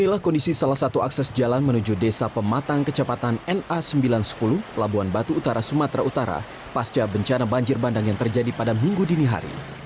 inilah kondisi salah satu akses jalan menuju desa pematang kecepatan na sembilan ratus sepuluh labuan batu utara sumatera utara pasca bencana banjir bandang yang terjadi pada minggu dini hari